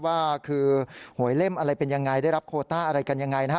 ว่าคือหวยเล่มอะไรเป็นยังไงได้รับโคต้าอะไรกันยังไงนะฮะ